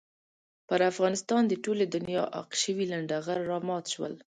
پر افغانستان د ټولې دنیا عاق شوي لنډه غر را مات شول.